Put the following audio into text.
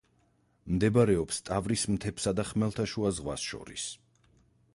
მდებარეობს ტავრის მთებსა და ხმელთაშუა ზღვას შორის.